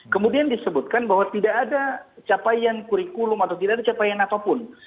kemudian disebutkan bahwa tidak ada capaian kurikulum atau tidak ada capaian apapun